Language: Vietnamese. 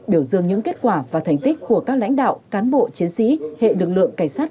biểu dương những kết quả và thành tích của các lãnh đạo cán bộ chiến sĩ hệ lực lượng cảnh sát